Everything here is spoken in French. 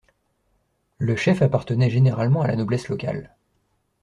Le chef appartenait généralement à la noblesse locale.